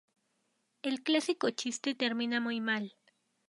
El clásico chiste termina muy mal.